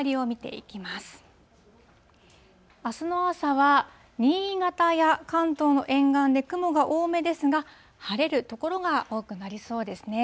あすの朝は、新潟や関東の沿岸で雲が多めですが、晴れる所が多くなりそうですね。